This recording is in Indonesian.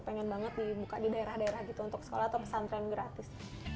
pengen banget dibuka di daerah daerah gitu untuk sekolah atau pesantren gratis